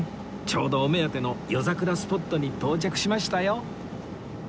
ちょうどお目当ての夜桜スポットに到着しましたよ